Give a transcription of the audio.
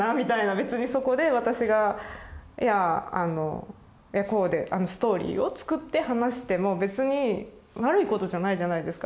別にそこで私がいやこうでストーリーを作って話しても別に悪いことじゃないじゃないですか。